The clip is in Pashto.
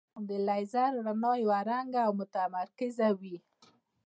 د لیزر رڼا یو رنګه او متمرکزه وي.